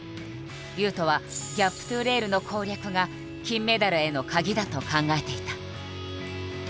雄斗は「ギャップｔｏレール」の攻略が金メダルへのカギだと考えていた。